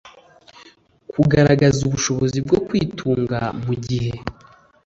kugaragaza ubushobozi bwo kwitunga mu gihe